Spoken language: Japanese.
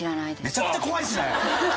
めちゃくちゃ怖いですね！